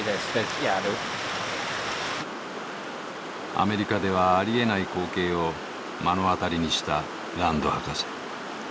アメリカではありえない光景を目の当たりにしたランド博士。